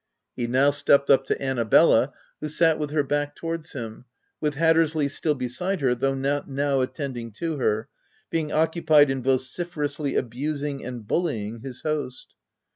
He now stepped up to An nabella, who sat with her back towards him, with Hattersley still beside her, though not now attending to her, being occupied in vocifer ously abusing and bullying his host.